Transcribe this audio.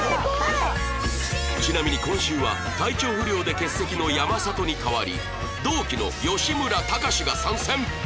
ちなみに今週は体調不良で欠席の山里に代わり同期の吉村崇が参戦！